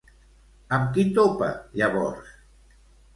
Amb qui topa llavors?